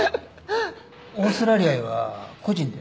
オーストラリアへは個人で？